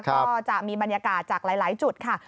ก็จะมีบรรยากาศจากหลายจุดค่ะ